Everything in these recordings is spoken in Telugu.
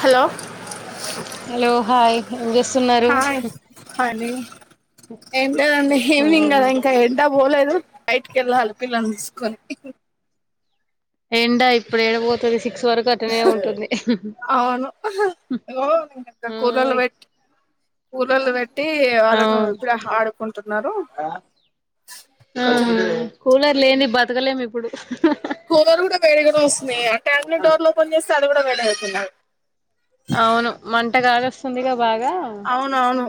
హలో హలో హాయ్ ఏం చేస్తున్నారు హాయ్ అండి ఏం లేదు అండి ఇవనింగ్ కదా ఇంకా ఎండ పోలేదు బయటికి వెళ్ళాలి పిల్లలు తీసుకొని ఎండ ఇప్పుడు ఏడ పోతది సి అవును ఇగో కూలర్లు పెట్ కూలర్లు పెట్టి ఆ వాళ్ళకు ఇప్పుడే ఆడుకుంటున్నారు ఆహ కొంచెం కూలర్ లేనిది బతకలేము ఇప్పుడు కూలర్ కూడా వేడిగా వస్తున్నాయి అంటే ట్యానులు డోర్లు ఓపెన్ చేస్తే అది కూడా వేడి అవుతున్నాయి అవును మంటకగ వస్తుందిగా బాగా అవునవును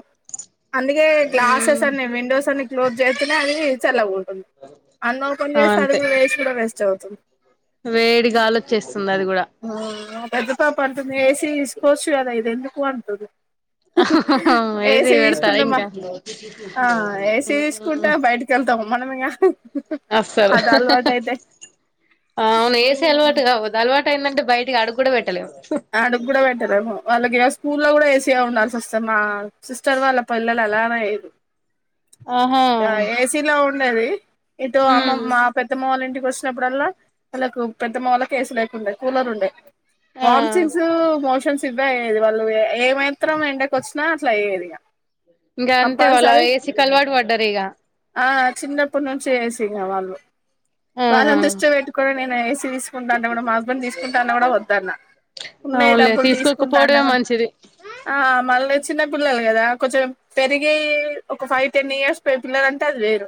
అందుకే గ్లాసెస్ అన్ని విండోస్ అన్ని క్లోజ్ చేతేనే అది చల్లగా ఉంటుం అన్ని ఓపెన్ చెస్ అది కూడ వేసి వేస్ట్ అవుతుం వేడిగాలి వచ్చేస్ ఆ పెద్ద పాప అంటుంది ఏసి తీసుకోవచ్చు కదా ఇది ఎందుకు అంటది ఏసీ పెడతారా తీసుకున్నామా ఇంకా ఆ ఏసీ తీసుకుంటా బయటికెల్ తామ మన ఇగ అస్సలు అది అలవాటు అయితే అవును ఏసీ అలవాటు కావద్దు అలవాటు అయిందంటే బయటికి అడుగు కూడా పెట్టలేము అడుగు కూడా పెట్టలేము వాళ్ళకి ఇగ స్కూల్లో కూడా ఏసీ ఉండాల్సి వస్త మా సిస్టర్ వాళ్ళ పిల్లలు అలానే అయిరు ఆహా ఆ ఏసీలో ఉండేది ఇటు అమ్మమ్మ పెద్దమ్మ వాళ్ళ ఇంటి వచ్చినప్పుడల్లా వాళ్ళలకు పెద్దమ్మ వాళ్ళకి ఏసీ లేకుండే కూలర్ ఉండే ఆ వామిథింగ్స్ మోషన్స్ ఇవే అయ్యేది వాళ్ళు ఏమాత్రం ఎండకి వచ్చినా అట్లా అయ్యేది ఇంకా అంతే వాళ్ళ కంపల్సరీ ఏసికి అలవాటు పడ్డారు ఇక చిన్నప్పడు నుంచి ఏసినే వాళ్ళు ఆ వాళ్ళని దృష్టిలో పెట్టుకుని నేను ఏసీ తీసుకుంటా అంటే కూడా మా హస్బెండ్ తీసుకుంటాన్న కూడా వద్దన్న ఉన్నాయి అవునులే డబ్బులు తీసుకుంటాను తీసుకోకపోవడమే మంచిది ఆ మళ్ళ చిన్నప్పు పిల్లలు కదా కొంచెం పెరిగే ఒక ఫైవ్ టెన్ ఇయర్స్ పెట్టినా అంటే అది వేరు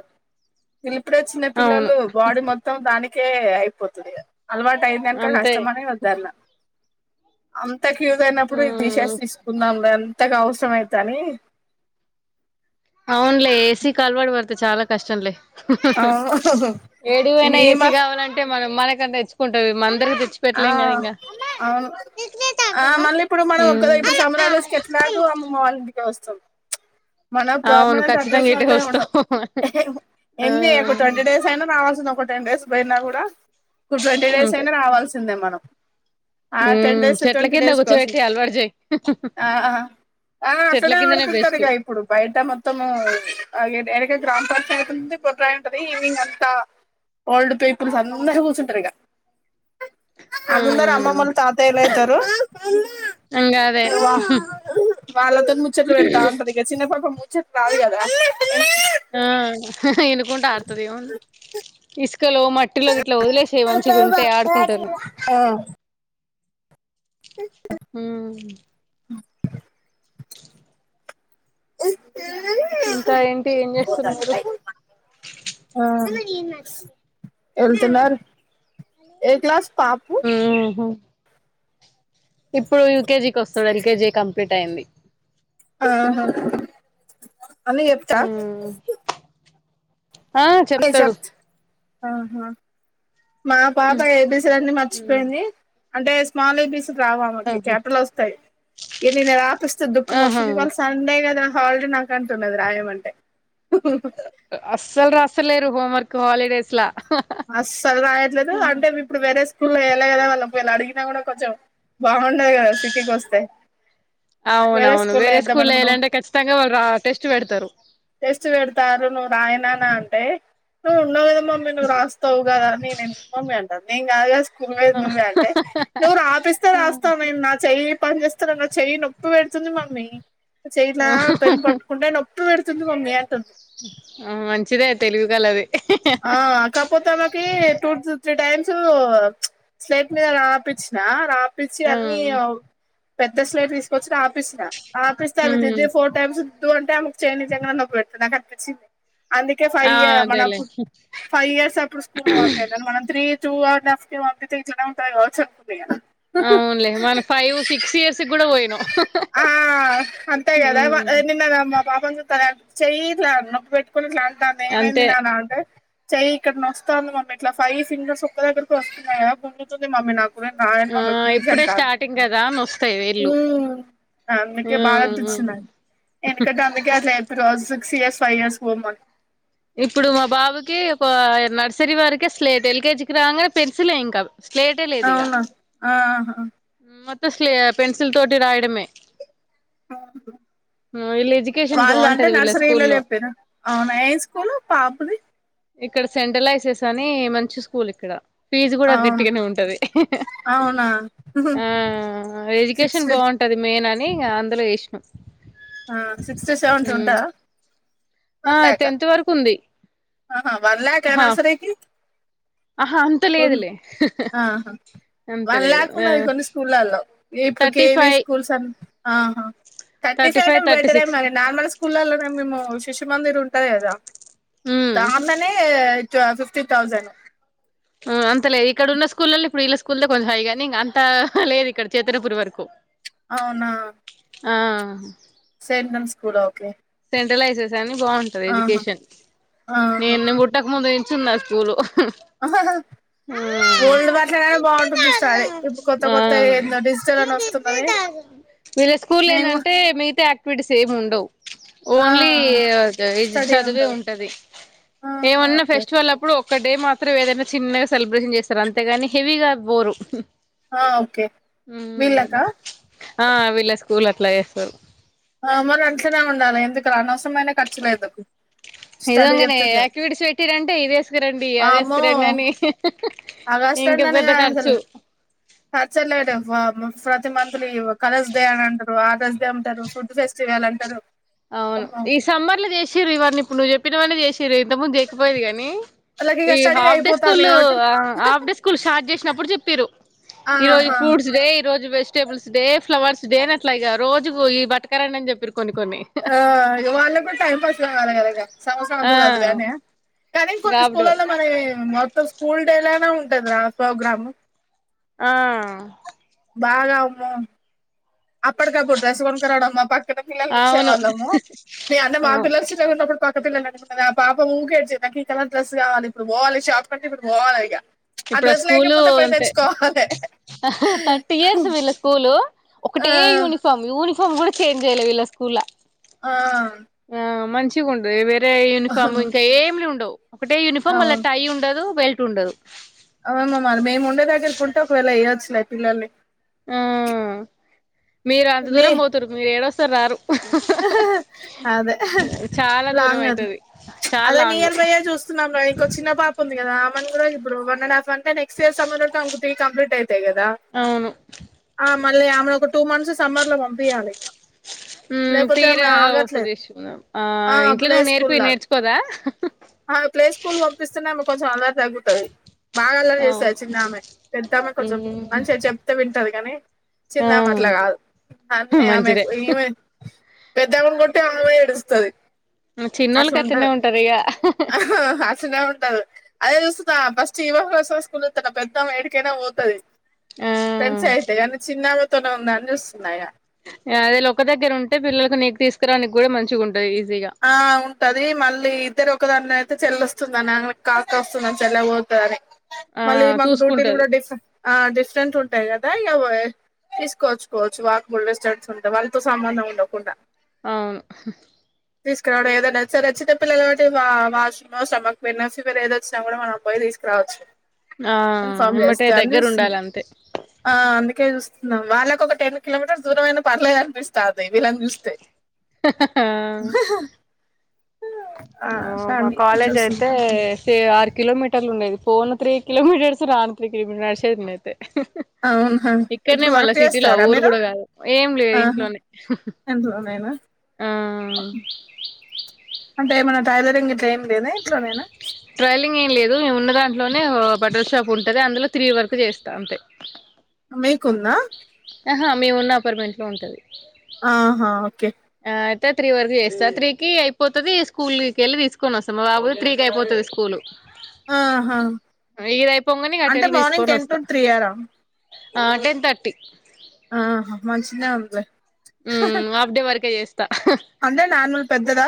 వీళ్లు ఇప్పుడే చిన్న అవును పిల్లలు బాడీ మొత్తం దానికే అయిపోతుంది ఇగ అలవాటు అయినాక అంతే కష్టమనే వద్దన్న ఇంతకు యూజ్ అయినప్పుడు మ్మ్ తీసస్ తీసుకున్నాం ఎంతకు అవసరం ఏంటని అవున్లే ఏసి కి అలవాటు పడితే చాలా కష్టంలే హ్మ్ ఆ హు ఏడికిపోయినా ఈ ఎసి మస్ కావాలంటే మనం మనకంత తెచ్చుకుంటది మన తెచ్చి ఆ పెట్లేం కదా ఇంక అమ్మ అవును డిస్లెట్ ఆ ఆడదామా అమ్మ నాకు అమ్మ వాల్లింటికి వస్తుంది మన అవును పర్మనెంట్ ఖచ్చితంగా అడ్రస్ ఇటే అంతా ఏం ఉండవ్ వస్తావు ఆ ఎన్ని ఒక ట్వంటీ డేస్ అయినా రావాల్సిన ఒకటీ టెన్ డేస్ పోయినా కూడా ఇప్పుడూ ట్వంటీ డేస్ అంతే అయినా రావాల్సిందే మనకు ఆ టెన్ మ్మ్ డేస్ చెట్ల ట్వంటీ కింద డేస్ కోసం కూర్చోబెట్టి అలవాటు చేయి ఆ ఆ చెట్ల అట్లనే కిందనే బెస్ట్ ఆడుకుంటదిగా ఇప్పుడు బయట మొత్తం అలిగే గ్రామపంచాయత్ ఉంటే ఈవినింగ్ అంతా ఓల్డ్ పీపుల్స్ అందరు కూసుంటారు ఇక ఆ అందరు అమ్మమ్మలు తాతయ్యలు అ అమ్మ అయితారు ఇంగ అదే వా వాళ్ళతో ముచ్చట్లు పెడతా ఉంటంది ఇక చిన్నపాప ముచ్చట్ రాదు కదా అం అం అమ్మ ఆ హ్మ్ ఇనుకుంట ఆడతాది ఇసు ఇసుకలో మట్టిలో ఇట్లా వదిలేసే మంచిగా ఉంటే ఆడుకుంటారు ఆ ఉమ్ [inaudible] [inaudible] ఆ ఇంకా ఏంటి ఏం చేస్తున్నారు ఆ స్ వెళ్తున్నారు ఏ క్లాస్ పాపు హ్మ్ హు ఇప్పుడు యూకేజికి వస్తాడు ఎల్కేజీ కంప్లీట్ అయింది ఆహా అని చెప్తా ఉమ్ ఆ అదే చెప్తాడు చెప్ ఆహా మా పాప ఏబీసీలన్నీ మర్చిపోయింది అంటే స్మాల్ ఏబీసి రావామెకి ఆహా క్యాపిటల్ వస్తాయి ఈ నిన్న రాపిస్తే దుఃఖం ఆహా వస్తుంది ఇవాళ సండే కదా హాలిడే నాకు అంటున్నది రాయమంటే అస్సలు రాసలేరు హోంవర్క్ హాలిడేస్ లా అస్సలు రాయట్లేదు అంటే ఇప్పుడు వేరే స్కూల్లో వేయళ్ళ కదా వాళ్లు ఒకవేళ అడిగినా కూడా కొంచెం బాగుండది కదా సిటీకి వస్తే అవునవును స్కూల్లో వేరే ఏద్దాం స్కూల్ అనుకున్నాం వేయాలంటే ఖచ్చితంగా వాళ్ళు రా టెస్ట్ పెడతారు టెస్ట్ పెడతారు నువ్వు రాయి నాన్న అంటే నువ్వు ఉన్నావు కదా మమ్మీ నువ్వు రాస్త రాస్తావ్ నేనెందుకు మమ్మి అంటాను నేను కాదు కదా స్కూల్ కి నువ్వే నువ్వే అంటే నువ్వు రాపిస్తే రాస్తావు నా చెయ్యి పని చేస్తనన్న చెయ్యి నొప్పి పెడుతుంది మమ్మీ చేయి ఇట్లా పెన్ పట్టుకుంటే నొప్పి పెడుతుంది మమ్మీ అంటుండు ఆ మంచిదే తెలివి కల్లది ఆ కపోతే ఆమె కి టూ త్రీ టైమ్స్ స్లాట్ మీద రాపి చ్చిన రాపిచ్చి ఆ అన్ని పెద్ద స్లేట్ తీసుకొచ్చి రాపిచ్చిన ఆ పిస్తా అ హ్మ్ దది ఫోర్ టైమ్స్ ఉద్దు అంటే ఆమెకు చెయ్ నిజంగా నొప్పి పెడుతది నాకు కనిపించింది అందుకే ఆ ఫైవ్ ఇయ అదేలే మనకు ఫైవ్ ఇయర్స్ అప్పుడు స్కూల్ వంపియలే మనం త్రీ టూ ఆర్ నాఫ్ కే పంపితే ఇట్లనే ఉంటది కావచ్చు ఇగ అవునులే మన ఫైవ్ సిక్స్ ఇయర్స్ కి కూడా పోయినం అహు అంతే గదా మా నిన్న గమ్మం తన చెయ్యి ఇట్లా నొప్పి పెట్టుకుని ఇట్లా అంట అంది ఏమైంది అంతే నాన్న అంటే చెయ్యి ఇక్కడ నొస్తాంది మమ్మీ ఇట్లా ఫైవ్ ఫింగర్స్ ఒక్క దగ్గరకి వస్తున్నాయా పొందుతుంది మమ్మీ నాకు కు నా ఆ మాయమ్మ ప్లీజ్ ఇప్పుడే అంట స్టార్టింగ్ కదా అని వస్తాయి వేళ్ళు ఉ అందుకే బాధ హ్మ్ హ్మ్. అనిపించిందిండి ఎందుకంటే అందుకే అట్లా చెప్పి రోజు సిఎస్ ఫై ఎస్ కి పొమ్మను ఇప్పుడు మా బాబుకి ఒక నర్సరీ వరకే స్లేట్ ఎల్కేజీకి రాగానే పెన్సిలే ఇంకా స్లేటే లేదు ఇక అవునా ఆహా మొత్త స్లే పెన్సిల్ తోటి రాయడమే ఆ హుతే హ్మ్. వీళ్ళ ఎడ్యుకేషన్ వాళ్ళు అంటే బాగుంటది వీళ్ళ నర్సరీలో స్కూల్లో చెప్పిరు అవునా ఏ స్కూల్ పాపది ఇక్కడ సెంట్రలైజెస్ అని మంచి స్కూల్ ఇక్కడ ఫీజు కూడా అవును గట్టిగానే ఉంటది అవునా ఆ ఎడ్యుకేషన్ సిక్స్త్ బాగుంటది మెయిన్ అని అందులో వేసినం ఆ సిక్స్ టు సెవెంత్ ఉ ఉంటదా ఆ టెన్త్ వరకు ఉంది ఆ వన్ ల్యాక్ ఆహా అయినాసరేకి ఆహా అంత లేదులే ఆహా అంత వన్ లేదు ల్యాక్ ఉన్నది కొన్ని స్కూళ్లల్లో ఇప్పుడు థర్టీ కేవీ ఫైవ్ స్కూల్స్ అం ఆహా థర్టీ ఫైవ్ టే బెటరే మరి నార్మల్ స్కూల్లనే మేము శిశుమందిర్ ఉంటంది కదా దాంట్లనే ఫిఫ్టీ థౌజండ్ ఉ అంత లేదు ఇక్కడ ఉన్న స్కూల్ లల్లా ఇప్పుడు ఇళ్ళ స్కూల్ కొంచెం హై గాని అంత లేదు ఇక్కడ చేతనపురి వరకు అవునా ఆ ఎండం స్కూల్ ఓకే సెంట్రలైజెస్ అని బాగుంటంది ఆహా ఎడ్యుకేషన్ ఆహా నేను పుట్టక ముందు నుంచి ఉన్నది స్కూల్ ఆహాహా ఓల్డ్ వాట్లలానే బాగుంటుంది స్టడీ ఇప్పుడు కొత్త కొత్త యి ఏందో డిజిటల్ అని వస్తుతున్నది వీళ్ళే స్కూల్ ఏంది అంటే మిగతా యాక్టివిటీస్ ఏమి ఉండవు ఆ ఓన్లీ ఇది చదివే ఉంటది ఆహా ఏమన్నా ఓకే ఫెస్టివల్ అప్పుడు ఒక్క డే మాత్ త్రు ఏదన్నా చిన్నగా సెలబ్రేషన్ చేస్తారు అంతేగాని హెవీగా బోరు ఆ ఓకే ఉమ్ వీళ్ళకా ఆ వీళ్ళ స్కూల్ అట్లా చేస్తారు ఆ మరి అట్లానే ఉండాలి ఎందుకు రా అనవరమైన ఖర్చు లేదు ఇదింగనే ఆయాక్టివిటీస్ పెట్టింరు అంటే ఇదేసు తీసుకురండి వామ్మో అదిఏసుకురండి అని ఇంక పెద్ద ఖర్చు అచ్చలేదే బబ్ ప్రతి మంత్లు ఇయ్యు కలర్స్ డే అని అంటారు ఆర్దర్స్ డే అంటారు ఫుడ్ ఫెస్టివల్ అంటారు అవును అమ్మో ఈ సమ్మర్ లో చేసిర్రు ఇవి అన్ని ఇప్పుడు నువ్వు చెప్పిన వాన్ని చేసిర్రు ఇంత ముందు చేయకపోయేది గాని వాళ్ళకి ఇక ఈ స్టడీ హాఫ్ డే స్కూల్ అయిపోతాంది లు కాబట్టి హాఫ్ డే స్కూల్ స్టార్ట్ చేసినప్పుడు చెప్పిరు ఈ రోజు ఆహా ఫ్రూట్స్ డే ఈ రోజు vegetables day flowers day ర్ అట్లా ఇక రోజుకు ఈ బట్టు కా రండి అని చెప్పిరు కొన్ని కొన్ని ఆ ఇగ వాళ్ళకు టైమ్ పాస్ కావాలి కదా ఇగ సంవత్సరం ఆ అంతా చదివి అని ఆ కానీ ఇంకొటి గాబుడు స్కూల్ల్లో వరకు మన మొత్తం స్కూల్ డే లానే ఉంటది రా స్వోగ్రాము ఆ బాగా అమ అప్పటికప్పుడు డ్రెస్ కొనుకరావడంమ్మా పక్కన పిల్లలు అవును చూసేవాళ్ళము న అన్న మా అవును పిలడు క్కపిల్ల నా నా పాప ఊేడిేది నాకు కలర్ డ్రస్ కావాలి ఇప్పుడు పోవాలి షాప్ కంట ఇప్పుడు పోవాలి ఇక ఇప్పుడు ఆ స్కూలు అంతే థర్టీ ఇయర్స్ వీళ్ళ స్కూలు ఆ ఒకటే యూనిఫామ్ యూనిఫామ్ కూడా చేంజ్ చేయ్యలే వీళ్ళ స్కూల్ ఆ మంచి వేరే యూనిఫామ్ అవును ఇంకా ఏమి ఉండవు ఒకటే యూనిఫామ్ వల్ల అవును టై ఉండదు బెల్ట్ ఉండదు అవును తని ఆ మీరు అంత నీ దూరం పోతారు మీరు ఏడ వస్తారు రారు అదే చాలా దూరం లాంగ్ అది అయితది చాలా అదే లాంగ్ నియర్ బైయే చూస్తున్నాం ఇంకో చిన్న పాప ఉంది కదా అమన్ కూడా ఇప్పుడు వన్ అండ్ హాఫ్ అంటే నెక్ సి సంబంధట్టు అంగ తిగి కంప్లీట్ అయితాయి కదా అవును మళ్ళీ ఆమెను ఒక టూ మంత్స్ సమ్మర్ లో పంపియాలి లేకపోతే తీర ఆమె ఆగట్లేదు ఉపదేశం ఆ ఇంట్లో ప్లే నువ్వు స్కూల్ నేర్పి లాగా నేర్చుకోదా ప్లే స్కూల్ పంపిస్తున్నాకు కొంచెం అందరి తగ్గుతాయి బాగా అల్ల చేస్తారు అవును చిన్నమే పెద్దామ కొంచెం ఉమ్ మంచిగా చెప్తే వింటారు కానీ ఆ చిన్న అట్లా కాదు నన్న ఆమె మంచిదే ఈమె పెద్దమ్మను కొట్టి అమ్మయి ఏడుస్తుది అసలు చిన్నోళ్ళకి అట్లనే ఉంటది ఉంటారు ఇగ అసనే ఉంటది అదేసం ఫస్ట్ ఇవ కోసం స్కూస్తా పెద్ద వేడికైనా పోతుది ఫ్రెంస్ ఆ అయితే కానీ చిన్నాభతోనే ఉంద అని చూస్తున్నాయా అదే ఒక దగ్గర ఉంటే పిల్లలలకు నీకు తీసుకురాడానికి కూడా మంచిగా ఉంటుంది ఆ ఉంటది మళ్ళీ ఇద్దరు ఒకదాని అయితే చెల్ొస్త వస్తుందా అ కాకా వస్తుందని చెల్ల ఓతుందని ఆ మళ్ళీ మాకు డ్యూటీలు చూసుకుంటది కూడా డిఫరె ఆ డిఫరెంట్ ఉంటాయి కదా ఇక తీసుకోవచ్చుకోవచ్చు వాక్ బల్ స్టర్స్ ఉంటా వాళ్ళతో సంబంధం ఉండకుండా అవును తీసుకురావడం ఏదనా స వచ్చినట పిల్లలుటి వాషూమ్ స్మక్ పెయిన్ ఫీవర్ ఏద వచ్చినా కూడా మనం పోయి తీసుకురాడం చ్చ ఆ ఇన్ఫామ్ ఎమ్మటే చేస్త అని దగ్గర చూస్తుంది ఉండాలి అంతే అందుకే చూ వాళ్ళకి ఒక టెన్ కిలోమీటర్స్ దూరమయిైన పర్లేదు అనిపిస్తా అది వీళ్ని చూస్తే ఆ అట్లా మా అని కాలేజ్ చూస్తున్నా అయితే ఆరు కిలోమీటర్లు ఉండేది పోన తీ కిలోమీటర్ అడుస రాను త కిలోమీటర్ అడు అన్నయితే అవునా ఇక్కడనే ఇప్పుడు మళ్ళా వర్క్ సిటీలో చేస్తారా ఊరు మీరు కూడా కాదు ఏం లేదు ఇంట్లోనే ఎంతన్నాేనా ఆ అంటే ఏమన్నా టైలరింగ్ టైం లేదా ఇట్లా నేనా ట్రైలింగ్ ఏం లేదు మేము ఉన్న దాంట్లోనే బటర్ షాప్ ఉంటది అందులో తి్రగి వర్క్ చేస్తా అంతే మీకున్నా ఆహా మేము ఉన్న అపార్ట్మెంట్ లో ఉంటది ఆహా ఓకే అయితే త్రీ వరకు చేస్తా త్రీకిి అయిపోతుది స్కూల్ కి వెళ్ళి తీసుకొని వస్తాం మా బాబు త్రీకి అయిపోతుది స్కూలు ఆహా ఇదయిపోంగని అట అంటే వెళ మార్నింగ్ తీసుకొని టెన్ టు వస్తా త్రీ ఆరా ఆ టెన్ తర్టీ ఆహా మంచిగనే ఉందిలే హ ఆఫ్ డే వరకే చేస్త అంటే నానూలు పెద్దద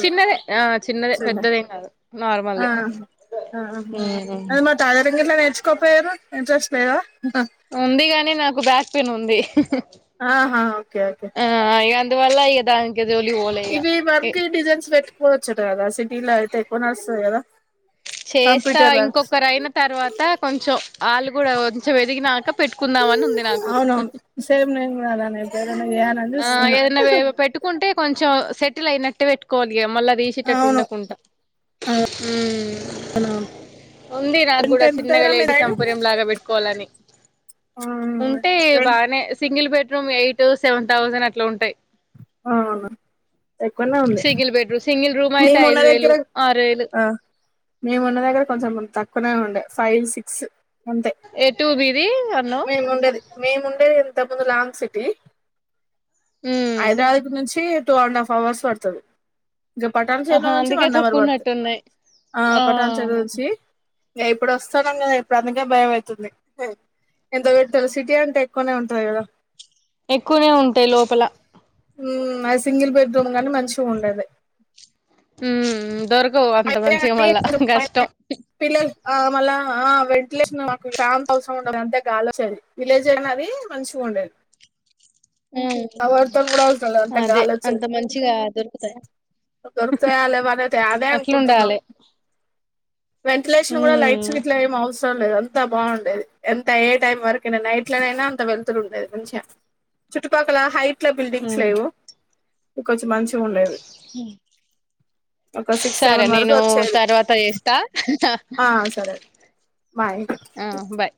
చిన్నదే ఆ చిన్నదే పెద్దదేం కాదు నార్మల్ దే మ్మ్ మా టైలరింగ్ ఇట్లా నేర్చుకోపోయార ఇంట్రెస్ ఉంది కాని నాకు బ్యాక్ పెయిన్ ఉంది ఆహా ఓకే ఓకే నీ వాళ్ళ అయ్యెదాన్ ఇవి వర్క్ డిజైన్స్ పెట్టుకోవచ్చు కదా సిటీ లో అయితే ఎక్కువ నాడుస్తాది కదా చేస్తా కంప్యూటర్ వర్క్స్ ఇంకొకరు అయిన తర్వాత కొంచెం ఆళ్ళు కూడా కొంచెం ఎదిగినాక పెట్టుకుందాం మని ఉంది నాకు చాలానే కొ ఆ ఏదైనా పెట్టుకుంటే కొంచెం సెటిల్ అయినట్టే పెట్టుకు కోవలిగా మూళ్ళ తీసేటట్టు అవును ఉండకుండా అవునవును ఉంది నాకు రెంట్ కూడా చిన్నగా ఎంతరా మీ లేడి సైడు సంపుర్యం లాగా పెట్టుకోవాలని ఆ ఉంటాయి రెంట్ బాగానే single bedroom eight seven thousand అట్లా ఉంటాయి అవును ఎక్కువనే ఉంది single bedroom single room అయితే మేమున్న ఐదు వేలు దగ్గర ఆరు వేలు ఆ మేమున్న దగ్గర కొంచెం తక్కువ ఆ ఉండే ఫైవ్ సిక్స్ అంతా ఎటు మీది అన్నావ్ మేము ఉండేది మేము ఉండే ఇంతకుముందు లాంగ్ సిటీ హైదరాబాద్ నుంచి టూ అండ్ హఫ్ అవర్స్ పడుతాది ఇంకా పట్టాణ్ ఆహా చెరువు నుంచి అందుకే వన్ అవర్ తక్కువ పడుతాయ్ ఉన్నట్టున్నాయి ఆ పట్టాణ్ చెరువు నుంచి ఇంగా ఇప్పుడు వస్తాన్నాము కదా ఇప్పుడు ఆమెను భయం అవుతుంది ఇంత పెద్ద సిటీ అంటే ఎక్కువనే ఉంటాది కదా ఎక్కువనే ఉంటాయి లోపల మ్మ్ అది సింగిల్ బెడ్రూమ్ గాని మంచిగా ఉండాలి మ్మ్ హ్మ్ దొరుక్ పిల్లల్ ఆ మళ్ళా ఆ వెంటిలేషన్ మాకు చానా అవసరం ఉండ [unintelligible] అంతే గాలి వొచ్చెది విలేజ్ అయిన అది మంచిగా ఉండాలి లేదు అంతే ఆ అదే అంత మంచిగా దొరుకుతాయ దొరుకుతాయ లేవ అని అదే అనుకుంటున్నాం అట్లుండాలి వెంటిలేషన్ కూడా ఉమ్ లైట్స్ ఇట్లా ఏం అవసరం లేద ఎంత బాగుండేది ఎంత ఏ టైం వరకైనా నైట్ లోనైనా అంత వెళ్తురు ఉండేది మంచిగా అక్కడ హైట్ల బిల్డింగ్స్ ఉమ్ లేవు ఇంకా కొంచెం మంచిగా ఉండేవి సరే నేను తర్వాత చేస్తా ఆ సరే బాయ్ ఆ బాయ్